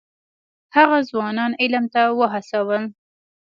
هغه ځوانان علم ته وهڅول.